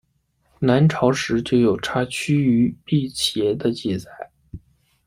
南朝时就有插茱萸辟邪的记载。